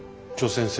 先生！